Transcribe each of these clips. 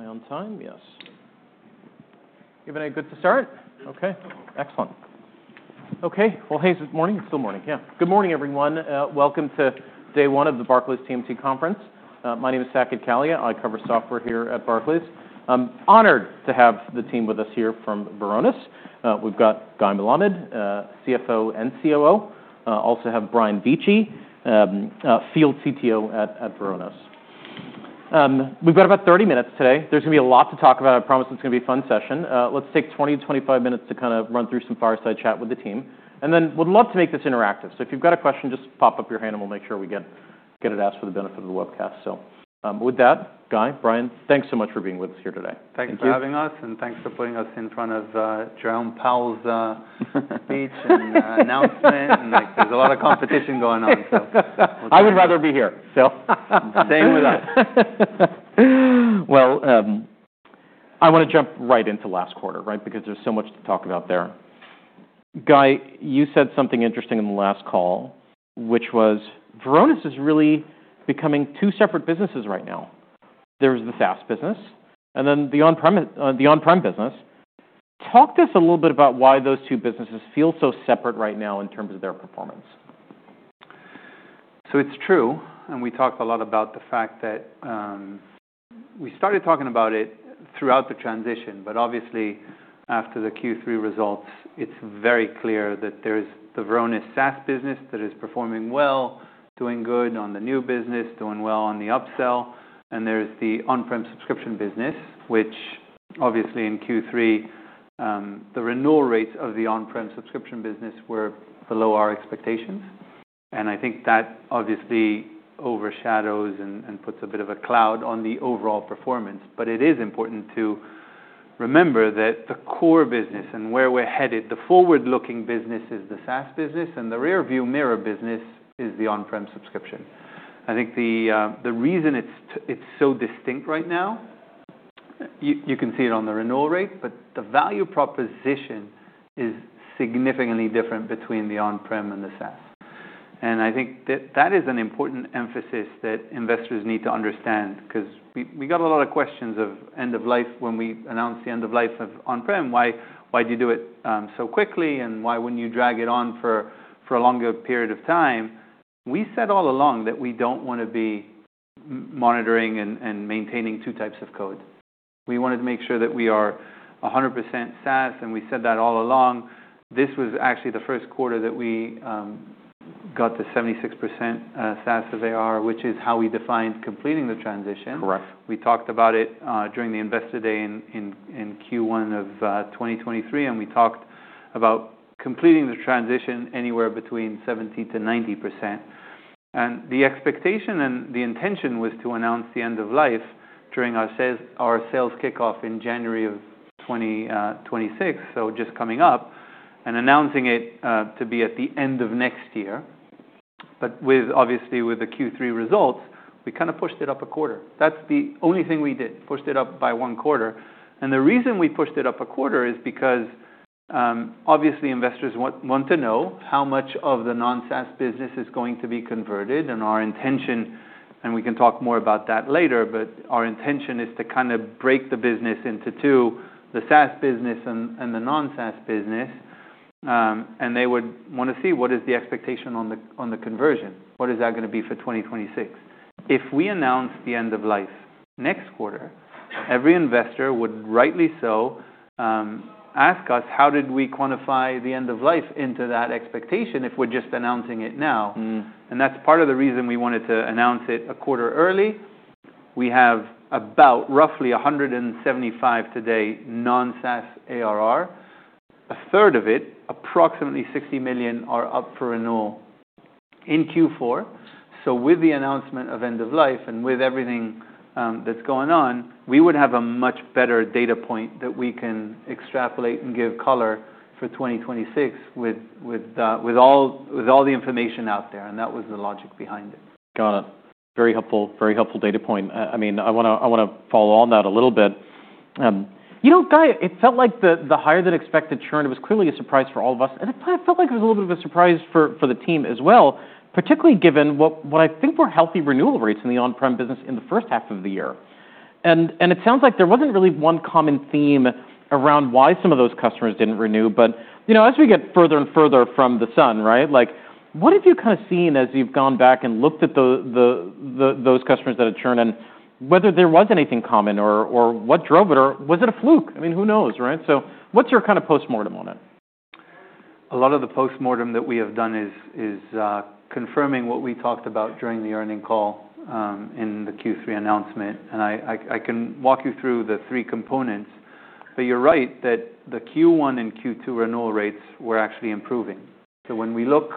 My own time, yes. You have any good to start? Okay. Excellent. Okay. Well, hey, is it morning? It's still morning. Yeah. Good morning, everyone. Welcome to day one of the Barclays TMT conference. My name is Saket Kalia. I cover software here at Barclays. Honored to have the team with us here from Varonis. We've got Guy Melamed, CFO and COO. Also have Brian Vecci, Field CTO at Varonis. We've got about 30 minutes today. There's gonna be a lot to talk about. I promise it's gonna be a fun session. Let's take 20 to 25 minutes to kinda run through some fireside chat with the team, and then we'd love to make this interactive. So if you've got a question, just pop up your hand and we'll make sure we get it asked for the benefit of the webcast. So, with that, Guy, Brian, thanks so much for being with us here today. Thanks for having us. Thank you. Thanks for putting us in front of Jerome Powell's speech and announcement. Like, there's a lot of competition going on, so. I would rather be here, so staying with us. I wanna jump right into last quarter, right, because there's so much to talk about there. Guy, you said something interesting in the last call, which was Varonis is really becoming two separate businesses right now. There's the SaaS business and then the on-prem, the on-prem business. Talk to us a little bit about why those two businesses feel so separate right now in terms of their performance. So it's true. And we talked a lot about the fact that, we started talking about it throughout the transition, but obviously after the Q3 results, it's very clear that there's the Varonis SaaS business that is performing well, doing good on the new business, doing well on the upsell. And there's the on-prem subscription business, which obviously in Q3, the renewal rates of the on-prem subscription business were below our expectations. And I think that obviously overshadows and puts a bit of a cloud on the overall performance. But it is important to remember that the core business and where we're headed, the forward-looking business is the SaaS business and the rearview mirror business is the on-prem subscription. I think the reason it's so distinct right now, you can see it on the renewal rate, but the value proposition is significantly different between the on-prem and the SaaS. And I think that is an important emphasis that investors need to understand 'cause we got a lot of questions of end of life when we announced the end of life of on-prem. Why'd you do it so quickly? And why wouldn't you drag it on for a longer period of time? We said all along that we don't wanna be monitoring and maintaining two types of code. We wanted to make sure that we are 100% SaaS, and we said that all along. This was actually the first quarter that we got the 76% SaaS of ARR, which is how we defined completing the transition. Correct. We talked about it during the investor day in Q1 of 2023, and we talked about completing the transition anywhere between 70%-90%, and the expectation and the intention was to announce the end of life during our sales kickoff in January of 2026, so just coming up, and announcing it to be at the end of next year, but with, obviously, the Q3 results, we kinda pushed it up a quarter. That's the only thing we did, pushed it up by one quarter, and the reason we pushed it up a quarter is because, obviously, investors want to know how much of the non-SaaS business is going to be converted, and our intention, and we can talk more about that later, but our intention is to kinda break the business into two, the SaaS business and the non-SaaS business. And they would wanna see what is the expectation on the conversion. What is that gonna be for 2026? If we announce the end of life next quarter, every investor would rightly so ask us, how did we quantify the end of life into that expectation if we're just announcing it now? And that's part of the reason we wanted to announce it a quarter early. We have about roughly 175 today non-SaaS ARR. A third of it, approximately $60 million, are up for renewal in Q4. So with the announcement of end of life and with everything that's going on, we would have a much better data point that we can extrapolate and give color for 2026 with all the information out there. And that was the logic behind it. Got it. Very helpful, very helpful data point. I mean, I wanna follow on that a little bit. You know, Guy, it felt like the higher than expected churn. It was clearly a surprise for all of us, and it kinda felt like it was a little bit of a surprise for the team as well, particularly given what I think were healthy renewal rates in the on-prem business in the first half of the year, and it sounds like there wasn't really one common theme around why some of those customers didn't renew, but you know, as we get further and further from the sun, right, like, what have you kinda seen as you've gone back and looked at those customers that had churned and whether there was anything common or what drove it, or was it a fluke? I mean, who knows, right? So what's your kinda postmortem on it? A lot of the postmortem that we have done is confirming what we talked about during the earnings call, in the Q3 announcement, and I can walk you through the three components, but you're right that the Q1 and Q2 renewal rates were actually improving, so when we look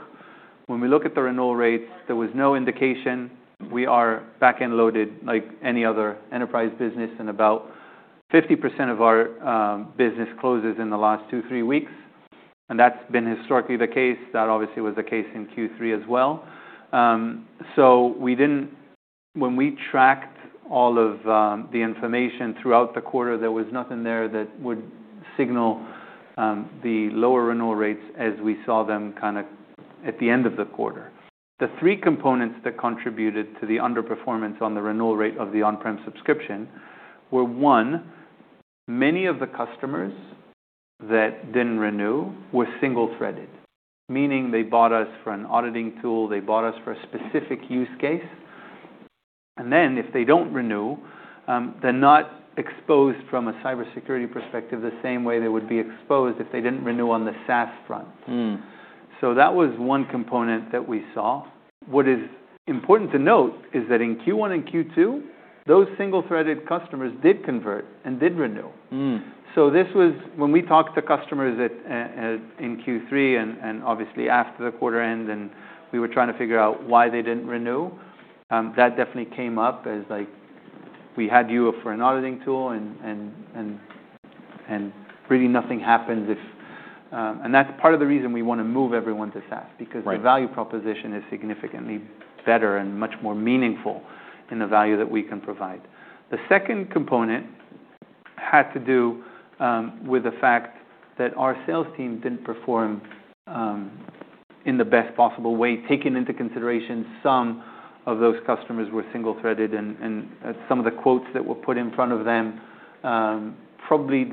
at the renewal rates, there was no indication we are back-end loaded like any other enterprise business, and about 50% of our business closes in the last two, three weeks, and that's been historically the case. That obviously was the case in Q3 as well, so when we tracked all of the information throughout the quarter, there was nothing there that would signal the lower renewal rates as we saw them kinda at the end of the quarter. The three components that contributed to the underperformance on the renewal rate of the on-prem subscription were, one, many of the customers that didn't renew were single-threaded, meaning they bought us for an auditing tool, they bought us for a specific use case, and then if they don't renew, they're not exposed from a cybersecurity perspective the same way they would be exposed if they didn't renew on the SaaS front, so that was one component that we saw. What is important to note is that in Q1 and Q2, those single-threaded customers did convert and did renew, so this was when we talked to customers in Q3 and obviously after the quarter end, and we were trying to figure out why they didn't renew. That definitely came up as, like, we had you for an auditing tool and really nothing happens if, and that's part of the reason we wanna move everyone to SaaS because the value proposition is significantly better and much more meaningful in the value that we can provide. The second component had to do with the fact that our sales team didn't perform in the best possible way. Taken into consideration, some of those customers were single-threaded and some of the quotes that were put in front of them probably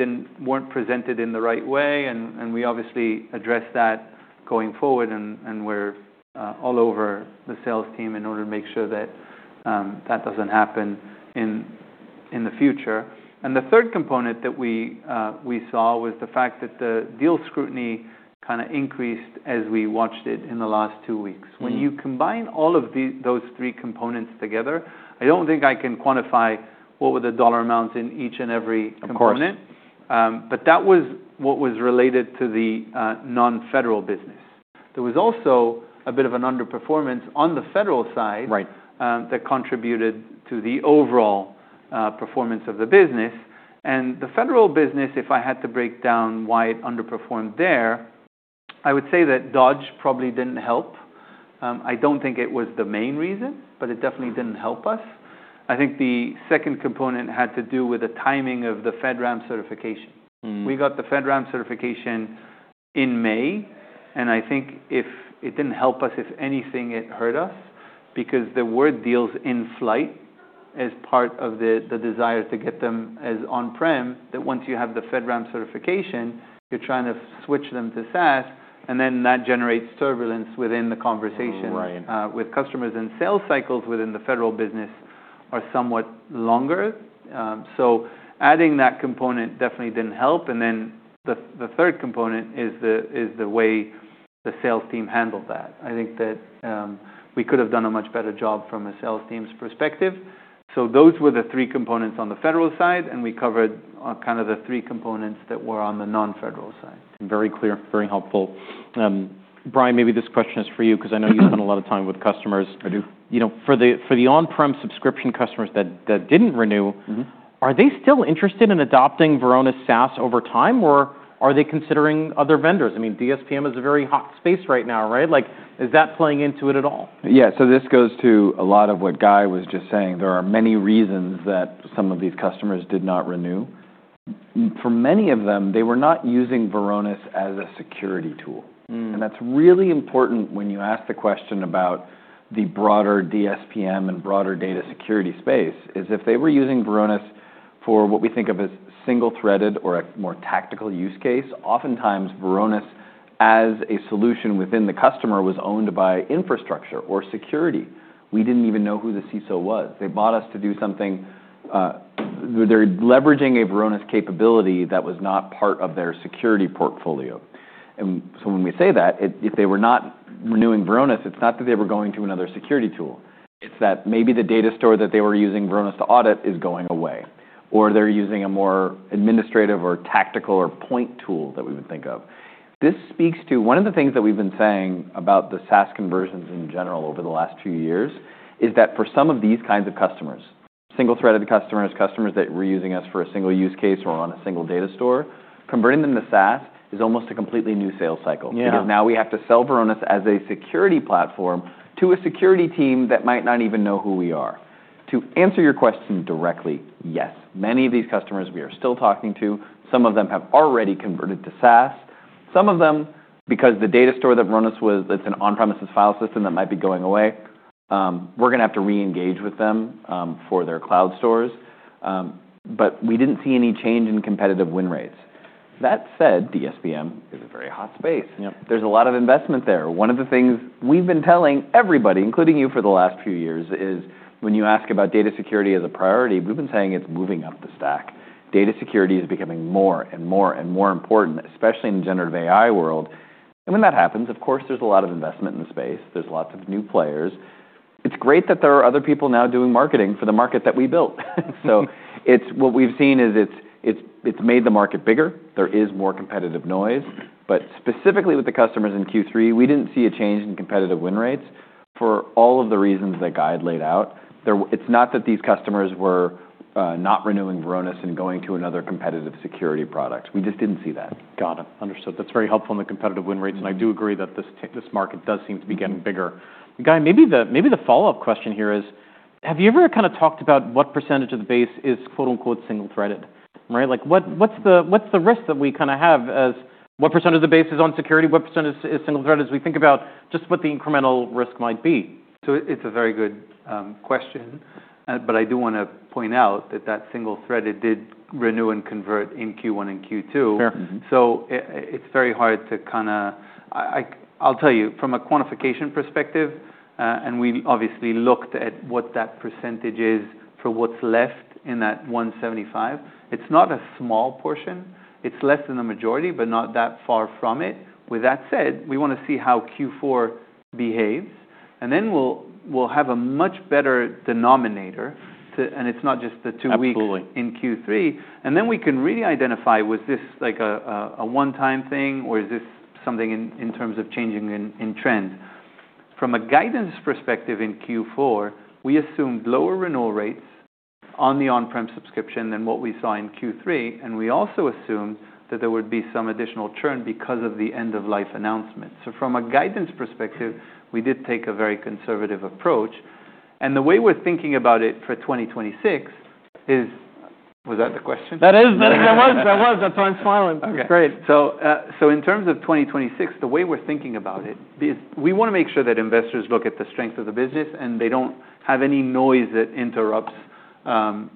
weren't presented in the right way. We obviously addressed that going forward and we're all over the sales team in order to make sure that doesn't happen in the future. And the third component that we saw was the fact that the deal scrutiny kinda increased as we watched it in the last two weeks. When you combine all of those three components together, I don't think I can quantify what were the dollar amounts in each and every component. Of course. But that was what was related to the non-federal business. There was also a bit of an underperformance on the federal side. Right. that contributed to the overall performance of the business, and the federal business, if I had to break down why it underperformed there, I would say that DOD probably didn't help. I don't think it was the main reason, but it definitely didn't help us. I think the second component had to do with the timing of the FedRAMP certification. We got the FedRAMP certification in May, and I think if it didn't help us, if anything, it hurt us because there were deals in flight as part of the desire to get them as on-prem, that once you have the FedRAMP certification, you're trying to switch them to SaaS, and then that generates turbulence within the conversation. Right. with customers and sales cycles within the federal business are somewhat longer. so adding that component definitely didn't help. and then the third component is the way the sales team handled that. I think that we could have done a much better job from a sales team's perspective. so those were the three components on the federal side. and we covered kinda the three components that were on the non-federal side. Very clear, very helpful. Brian, maybe this question is for you 'cause I know you spend a lot of time with customers. I do. You know, for the on-prem subscription customers that didn't renew. Mm-hmm. Are they still interested in adopting Varonis SaaS over time, or are they considering other vendors? I mean, DSPM is a very hot space right now, right? Like, is that playing into it at all? Yeah, so this goes to a lot of what Guy was just saying. There are many reasons that some of these customers did not renew. For many of them, they were not using Varonis as a security tool, and that's really important when you ask the question about the broader DSPM and broader data security space. It's if they were using Varonis for what we think of as single-threaded or a more tactical use case. Oftentimes Varonis as a solution within the customer was owned by infrastructure or security. We didn't even know who the CISO was. They bought us to do something, they're leveraging a Varonis capability that was not part of their security portfolio, and so when we say that, it's if they were not renewing Varonis. It's not that they were going to another security tool. It's that maybe the data store that they were using Varonis to audit is going away, or they're using a more administrative or tactical or point tool that we would think of. This speaks to one of the things that we've been saying about the SaaS conversions in general over the last few years, is that for some of these kinds of customers, single-threaded customers, customers that were using us for a single use case or on a single data store, converting them to SaaS is almost a completely new sales cycle. Yeah. Because now we have to sell Varonis as a security platform to a security team that might not even know who we are. To answer your question directly, yes. Many of these customers we are still talking to, some of them have already converted to SaaS. Some of them, because the data store that Varonis was, it's an On-premises file system that might be going away, we're gonna have to re-engage with them, for their cloud stores, but we didn't see any change in competitive win rates. That said, DSPM is a very hot space. Yep. There's a lot of investment there. One of the things we've been telling everybody, including you for the last few years, is when you ask about data security as a priority, we've been saying it's moving up the stack. Data security is becoming more and more and more important, especially in the Generative AI world, and when that happens, of course, there's a lot of investment in the space. There's lots of new players. It's great that there are other people now doing marketing for the market that we built. So what we've seen is it's made the market bigger. There is more competitive noise, but specifically with the customers in Q3, we didn't see a change in competitive win rates for all of the reasons that Guy had laid out. It's not that these customers were not renewing Varonis and going to another competitive security product. We just didn't see that. Got it. Understood. That's very helpful on the competitive win rates, and I do agree that this market does seem to be getting bigger. Guy, maybe the follow-up question here is, have you ever kinda talked about what percentage of the base is, quote-unquote, "single-threaded"? Right? Like, what's the risk that we kinda have as what percent of the base is on security, what percent is single-threaded as we think about just what the incremental risk might be? So it's a very good question, but I do wanna point out that that single-threaded did renew and convert in Q1 and Q2. Sure. It's very hard to kinda, I'll tell you, from a quantification perspective, and we obviously looked at what that percentage is for what's left in that 175. It's not a small portion. It's less than the majority, but not that far from it. With that said, we wanna see how Q4 behaves, and then we'll have a much better denominator to, and it's not just the two weeks. Absolutely. In Q3, and then we can really identify, was this like a one-time thing, or is this something in terms of changing trend? From a guidance perspective in Q4, we assumed lower renewal rates on the on-prem subscription than what we saw in Q3, and we also assumed that there would be some additional churn because of the end-of-life announcement, so from a guidance perspective, we did take a very conservative approach, and the way we're thinking about it for 2026 is, was that the question? That was. That's why I'm smiling. Okay. Great. So in terms of 2026, the way we're thinking about it is we wanna make sure that investors look at the strength of the business and they don't have any noise that interrupts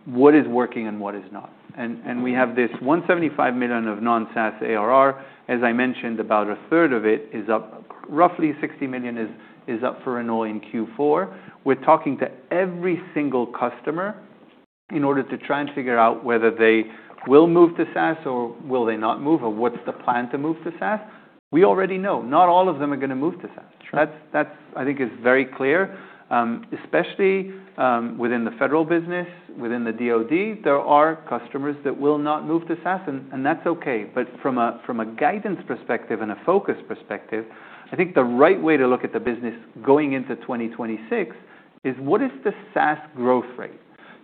what is working and what is not. And we have this $175 million of non-SaaS ARR. As I mentioned, about a third of it is up, roughly $60 million is up for renewal in Q4. We're talking to every single customer in order to try and figure out whether they will move to SaaS or will they not move or what's the plan to move to SaaS. We already know not all of them are gonna move to SaaS. Sure. That's, I think, is very clear. Especially within the federal business, within the DOD, there are customers that will not move to SaaS. And that's okay. But from a guidance perspective and a focus perspective, I think the right way to look at the business going into 2026 is what is the SaaS growth rate?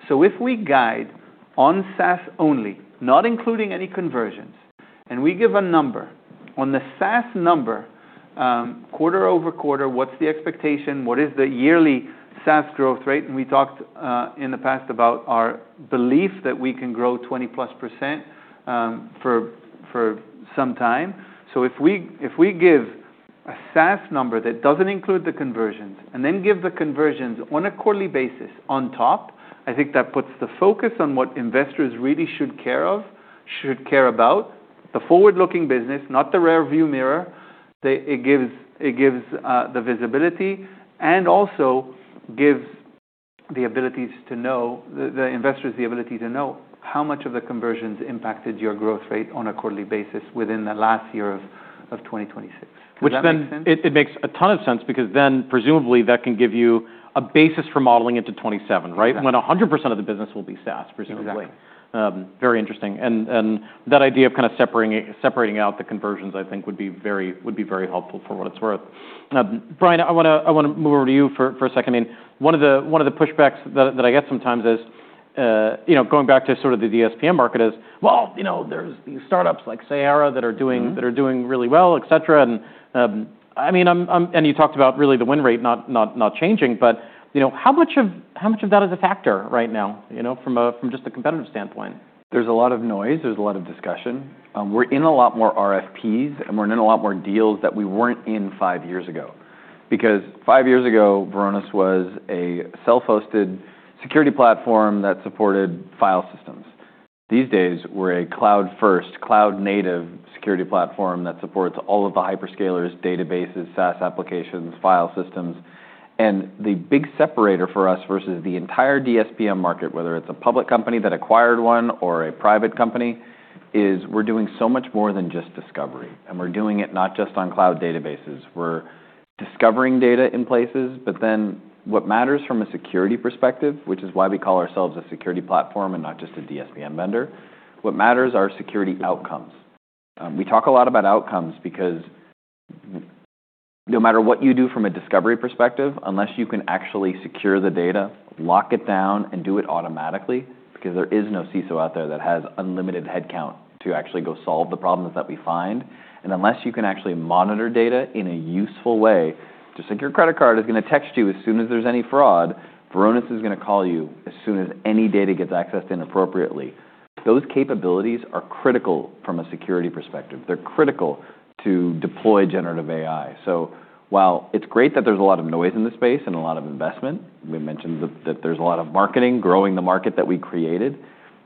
So if we guide on SaaS only, not including any conversions, and we give a number on the SaaS number, quarter over quarter, what's the expectation? What is the yearly SaaS growth rate? And we talked in the past about our belief that we can grow 20%+ for some time. So if we give a SaaS number that doesn't include the conversions and then give the conversions on a quarterly basis on top, I think that puts the focus on what investors really should care about, the forward-looking business, not the rearview mirror. It gives the visibility and also gives the investors the ability to know how much of the conversions impacted your growth rate on a quarterly basis within the last year of 2026. Which then it makes a ton of sense because then presumably that can give you a basis for modeling into 2027, right? Yep. When 100% of the business will be SaaS, presumably. Exactly. Very interesting, and that idea of kinda separating out the conversions, I think, would be very helpful for what it's worth. Brian, I wanna move over to you for a second. I mean, one of the pushbacks that I get sometimes is, you know, going back to sort of the DSPM market is, well, you know, there's these startups like Cyera that are doing. Mm-hmm. That are doing really well, etc. And, I mean, I'm and you talked about really the win rate not changing, but, you know, how much of that is a factor right now, you know, from a just a competitive standpoint? There's a lot of noise. There's a lot of discussion. We're in a lot more RFPs and we're in a lot more deals that we weren't in five years ago because five years ago, Varonis was a self-hosted security platform that supported file systems. These days, we're a cloud-first, cloud-native security platform that supports all of the hyperscalers, databases, SaaS applications, file systems. And the big separator for us versus the entire DSPM market, whether it's a public company that acquired one or a private company, is we're doing so much more than just discovery. And we're doing it not just on cloud databases. We're discovering data in places. But then what matters from a security perspective, which is why we call ourselves a security platform and not just a DSPM vendor, what matters are security outcomes. We talk a lot about outcomes because no matter what you do from a discovery perspective, unless you can actually secure the data, lock it down, and do it automatically, because there is no CISO out there that has unlimited headcount to actually go solve the problems that we find, and unless you can actually monitor data in a useful way, just like your credit card is gonna text you as soon as there's any fraud, Varonis is gonna call you as soon as any data gets accessed inappropriately. Those capabilities are critical from a security perspective. They're critical to deploy Generative AI. So while it's great that there's a lot of noise in the space and a lot of investment, we mentioned that, that there's a lot of marketing growing the market that we created,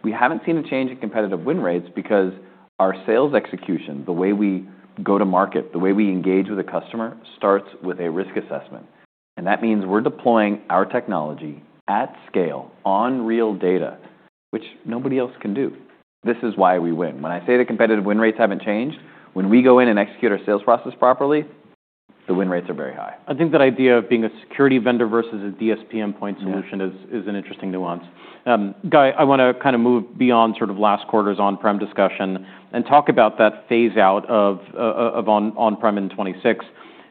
we haven't seen a change in competitive win rates because our sales execution, the way we go to market, the way we engage with a customer starts with a risk assessment. And that means we're deploying our technology at scale on real data, which nobody else can do. This is why we win. When I say the competitive win rates haven't changed, when we go in and execute our sales process properly, the win rates are very high. I think that idea of being a security vendor versus a DSPM point solution is. Yeah. It's an interesting nuance. Guy, I wanna kinda move beyond sort of last quarter's on-prem discussion and talk about that phase-out of on-prem in 2026.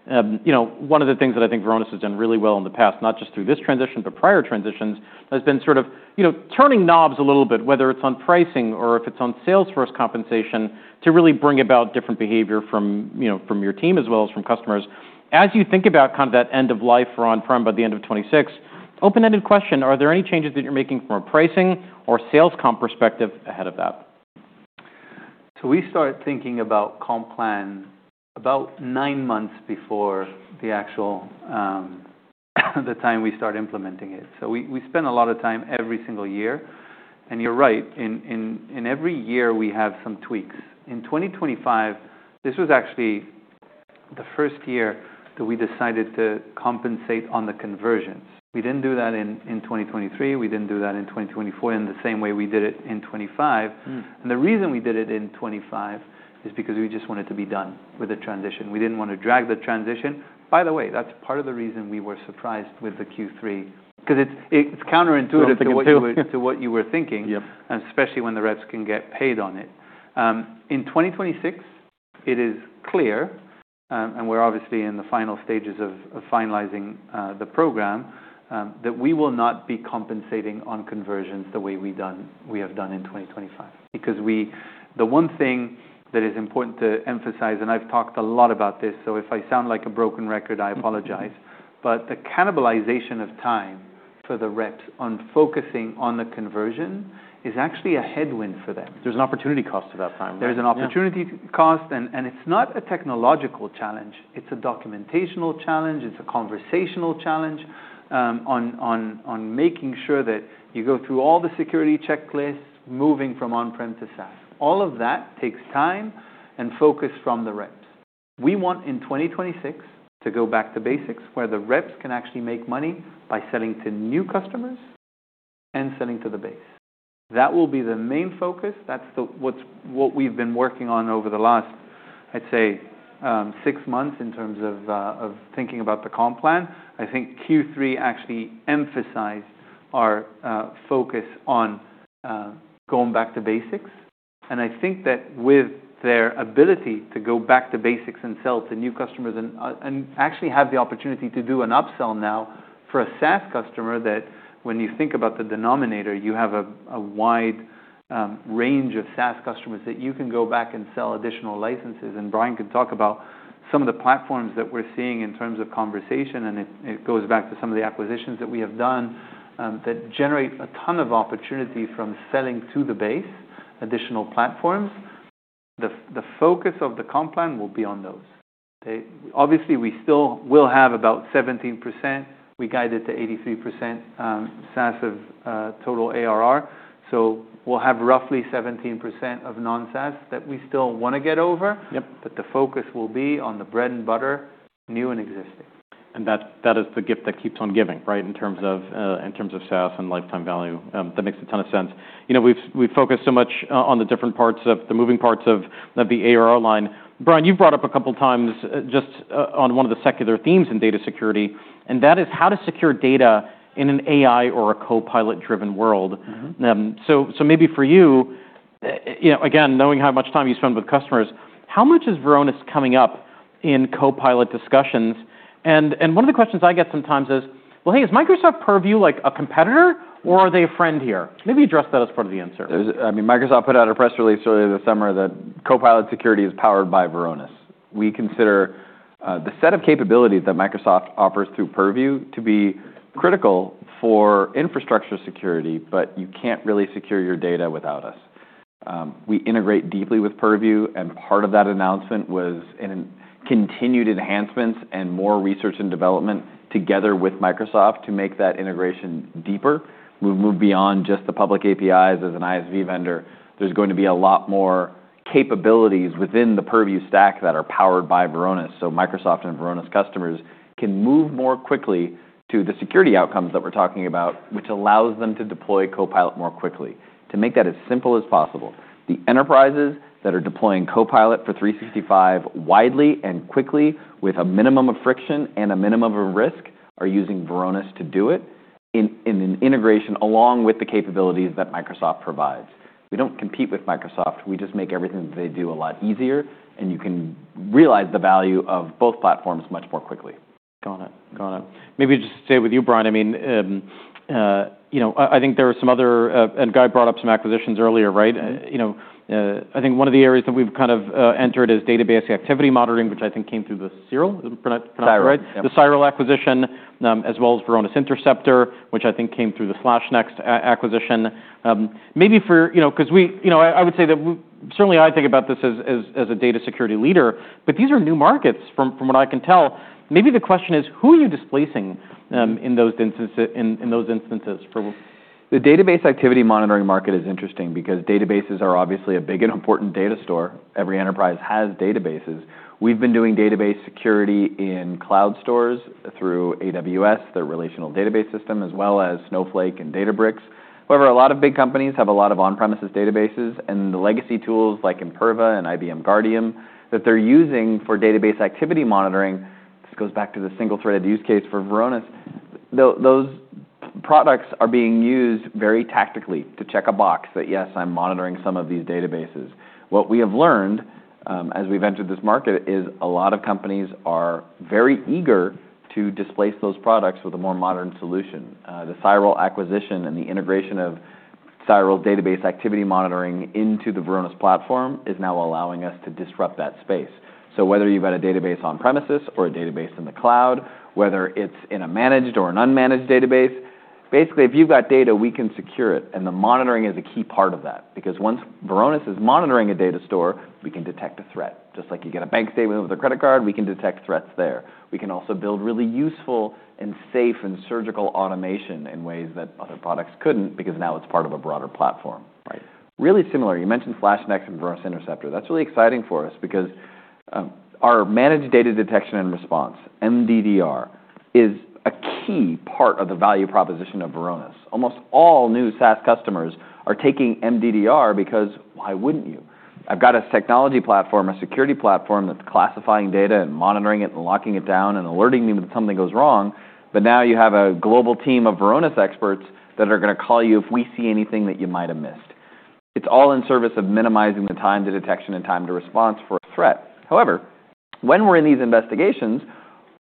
You know, one of the things that I think Varonis has done really well in the past, not just through this transition but prior transitions, has been sort of, you know, turning knobs a little bit, whether it's on pricing or if it's on Salesforce compensation, to really bring about different behavior from, you know, from your team as well as from customers. As you think about kind of that end-of-life for on-prem by the end of 2026, open-ended question, are there any changes that you're making from a pricing or sales comp perspective ahead of that? We start thinking about comp plan about nine months before the actual time we start implementing it. We spend a lot of time every single year. You're right. In every year, we have some tweaks. In 2025, this was actually the first year that we decided to compensate on the conversions. We didn't do that in 2023. We didn't do that in 2024 in the same way we did it in 2025. The reason we did it in 2025 is because we just wanted to be done with the transition. We didn't wanna drag the transition. By the way, that's part of the reason we were surprised with the Q3, 'cause it's counterintuitive to what you were. It's intuitive. To what you were thinking. Yep. And especially when the reps can get paid on it. In 2026, it is clear, and we're obviously in the final stages of finalizing the program that we will not be compensating on conversions the way we've done in 2025 because the one thing that is important to emphasize, and I've talked a lot about this, so if I sound like a broken record, I apologize, but the cannibalization of time for the reps on focusing on the conversion is actually a headwind for them. There's an opportunity cost to that time, right? There's an opportunity cost. And it's not a technological challenge. It's a documentational challenge. It's a conversational challenge, on making sure that you go through all the security checklists, moving from on-prem to SaaS. All of that takes time and focus from the reps. We want in 2026 to go back to basics where the reps can actually make money by selling to new customers and selling to the base. That will be the main focus. That's the what's what we've been working on over the last, I'd say, six months in terms of thinking about the comp plan. I think Q3 actually emphasized our focus on going back to basics. And I think that with their ability to go back to basics and sell to new customers and actually have the opportunity to do an upsell now for a SaaS customer that when you think about the denominator, you have a wide range of SaaS customers that you can go back and sell additional licenses. And Brian could talk about some of the platforms that we're seeing in terms of conversation. And it goes back to some of the acquisitions that we have done that generate a ton of opportunity from selling to the base additional platforms. The focus of the comp plan will be on those. We obviously still will have about 17%. We guided to 83% SaaS of total ARR. So we'll have roughly 17% of non-SaaS that we still wanna get over. Yep. But the focus will be on the bread and butter, new and existing. And that is the gift that keeps on giving, right, in terms of SaaS and lifetime value. That makes a ton of sense. You know, we've focused so much on the different parts of the moving parts of the ARR line. Brian, you've brought up a couple of times just on one of the secular themes in data security, and that is how to secure data in an AI or a Copilot-driven world. Mm-hmm. So, maybe for you, you know, again, knowing how much time you spend with customers, how much is Varonis coming up in Copilot discussions? And one of the questions I get sometimes is, well, hey, is Microsoft Purview like a competitor or are they a friend here? Maybe address that as part of the answer. There's, I mean, Microsoft put out a press release earlier this summer that Copilot security is powered by Varonis. We consider the set of capabilities that Microsoft offers through Purview to be critical for infrastructure security, but you can't really secure your data without us. We integrate deeply with Purview, and part of that announcement was in continued enhancements and more research and development together with Microsoft to make that integration deeper. We've moved beyond just the public APIs as an ISV vendor. There's going to be a lot more capabilities within the Purview stack that are powered by Varonis, so Microsoft and Varonis customers can move more quickly to the security outcomes that we're talking about, which allows them to deploy Copilot more quickly, to make that as simple as possible. The enterprises that are deploying Copilot for 365 widely and quickly with a minimum of friction and a minimum of risk are using Varonis to do it in an integration along with the capabilities that Microsoft provides. We don't compete with Microsoft. We just make everything that they do a lot easier, and you can realize the value of both platforms much more quickly. Got it. Got it. Maybe just to stay with you, Brian, I mean, you know, I think there were some other, and Guy brought up some acquisitions earlier, right? You know, I think one of the areas that we've kind of entered is database activity monitoring, which I think came through the Cyral? Pronounced that right? Cyral. The Cyral acquisition, as well as Varonis Interceptor, which I think came through the SlashNext acquisition. Maybe for, you know, 'cause we, you know, I would say that we certainly, I think about this as a data security leader, but these are new markets from what I can tell. Maybe the question is, who are you displacing in those instances for? The database activity monitoring market is interesting because databases are obviously a big and important data store. Every enterprise has databases. We've been doing database security in cloud stores through AWS, their relational database system, as well as Snowflake and Databricks. However, a lot of big companies have a lot of On-premises databases and the legacy tools like Imperva and IBM Guardium that they're using for database activity monitoring. This goes back to the single-threaded use case for Varonis. Those products are being used very tactically to check a box that, yes, I'm monitoring some of these databases. What we have learned, as we've entered this market, is a lot of companies are very eager to displace those products with a more modern solution. The Cyral acquisition and the integration of Cyral database activity monitoring into the Varonis platform is now allowing us to disrupt that space. So whether you've got a database On-premises or a database in the cloud, whether it's in a managed or an unmanaged database, basically, if you've got data, we can secure it. And the monitoring is a key part of that because once Varonis is monitoring a data store, we can detect a threat. Just like you get a bank statement with a credit card, we can detect threats there. We can also build really useful and safe and surgical automation in ways that other products couldn't because now it's part of a broader platform. Right. Really similar. You mentioned SlashNext and Varonis Interceptor. That's really exciting for us because our managed data detection and response, MDDR, is a key part of the value proposition of Varonis. Almost all new SaaS customers are taking MDDR because why wouldn't you? I've got a technology platform, a security platform that's classifying data and monitoring it and locking it down and alerting me when something goes wrong. But now you have a global team of Varonis experts that are gonna call you if we see anything that you might've missed. It's all in service of minimizing the time to detection and time to response for a threat. However, when we're in these investigations,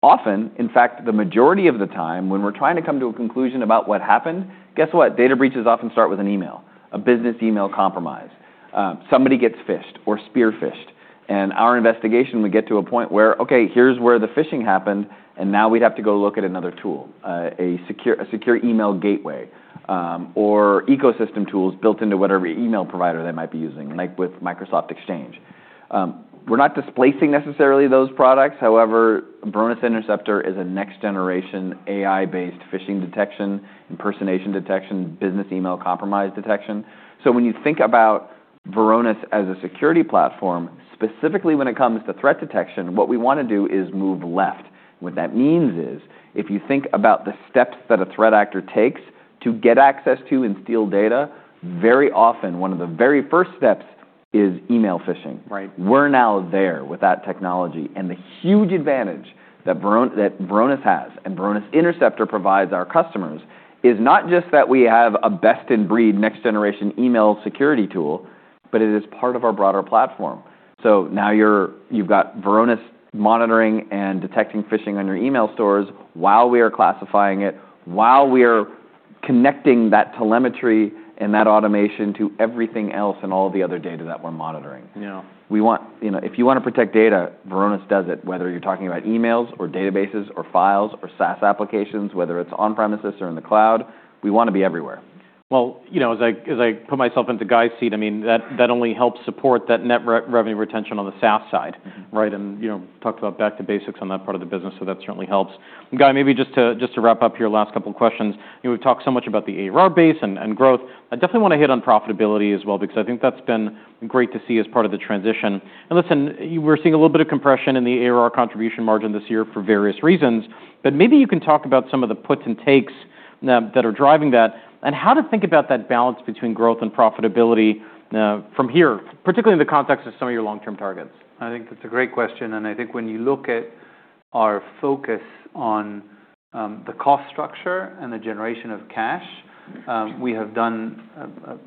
often, in fact, the majority of the time when we're trying to come to a conclusion about what happened, guess what? Data breaches often start with an email, a business email compromise. Somebody gets phished or spearfished. And our investigation, we get to a point where, okay, here's where the phishing happened, and now we'd have to go look at another tool, a secure email gateway, or ecosystem tools built into whatever email provider they might be using, like with Microsoft Exchange. We're not displacing necessarily those products. However, Varonis Interceptor is a next-generation AI-based phishing detection, impersonation detection, business email compromise detection. So when you think about Varonis as a security platform, specifically when it comes to threat detection, what we wanna do is move left. What that means is if you think about the steps that a threat actor takes to get access to and steal data, very often one of the very first steps is email phishing. Right. We're now there with that technology, and the huge advantage that Varonis has and Varonis Interceptor provides our customers is not just that we have a best-in-breed next-generation email security tool, but it is part of our broader platform, so now you've got Varonis monitoring and detecting phishing on your email stores while we are classifying it, while we are connecting that telemetry and that automation to everything else and all the other data that we're monitoring. Yeah. We want, you know, if you wanna protect data, Varonis does it, whether you're talking about emails or databases or files or SaaS applications, whether it's On-premises or in the cloud, we wanna be everywhere. Well, you know, as I put myself into Guy's seat, I mean, that only helps support that net revenue retention on the SaaS side, right? And, you know, talked about back to basics on that part of the business, so that certainly helps. Guy, maybe just to wrap up your last couple of questions. You know, we've talked so much about the ARR base and growth. I definitely wanna hit on profitability as well because I think that's been great to see as part of the transition. Listen, we're seeing a little bit of compression in the ARR contribution margin this year for various reasons, but maybe you can talk about some of the puts and takes that are driving that and how to think about that balance between growth and profitability from here, particularly in the context of some of your long-term targets. I think that's a great question. And I think when you look at our focus on the cost structure and the generation of cash, we have done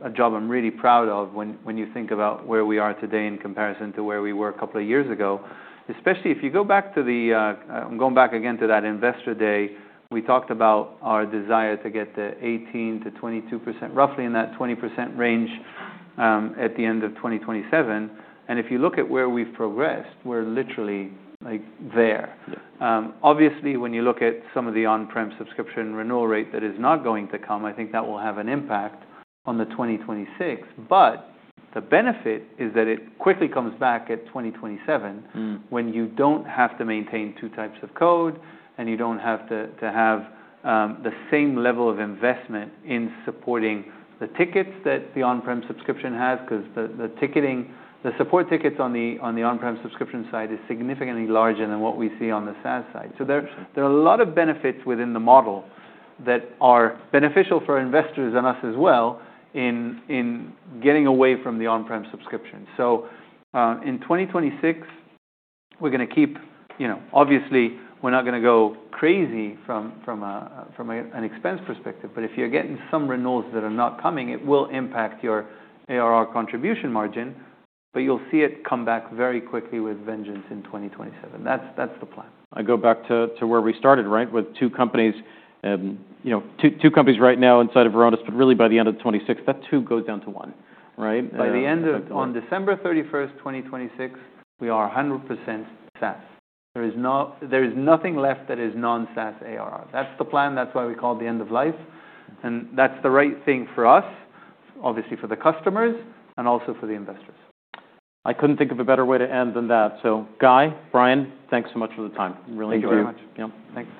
a job I'm really proud of when you think about where we are today in comparison to where we were a couple of years ago, especially if you go back to, I'm going back again to that investor day. We talked about our desire to get to 18%-22%, roughly in that 20% range, at the end of 2027. And if you look at where we've progressed, we're literally, like, there. Yeah. Obviously, when you look at some of the on-prem subscription renewal rate that is not going to come, I think that will have an impact on the 2026. But the benefit is that it quickly comes back at 2027. When you don't have to maintain two types of code and you don't have to have the same level of investment in supporting the tickets that the on-prem subscription has 'cause the ticketing support tickets on the on-prem subscription side is significantly larger than what we see on the SaaS side. So there. Sure. There are a lot of benefits within the model that are beneficial for investors and us as well in getting away from the on-prem subscription. So, in 2026, we're gonna keep, you know, obviously, we're not gonna go crazy from an expense perspective, but if you're getting some renewals that are not coming, it will impact your ARR contribution margin, but you'll see it come back very quickly with vengeance in 2027. That's the plan. I go back to where we started, right, with two companies, you know, two companies right now inside of Varonis, but really by the end of 2026, that two goes down to one, right? By the end of December 31st, 2026, we are 100% SaaS. There is nothing left that is non-SaaS ARR. That's the plan. That's why we call it the end of life, and that's the right thing for us, obviously for the customers and also for the investors. I couldn't think of a better way to end than that, so Guy, Brian, thanks so much for the time. Really enjoyed it. Thank you very much. Yeah. Thanks.